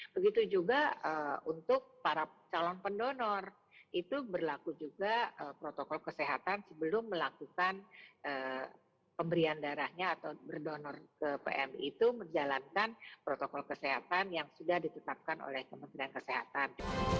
begitu juga untuk para calon pendonor itu berlaku juga protokol kesehatan sebelum melakukan pemberian darahnya atau berdonor ke pmi itu menjalankan protokol kesehatan yang sudah ditetapkan oleh kementerian kesehatan